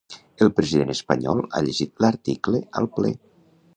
El president espanyol ha llegit l’article al ple.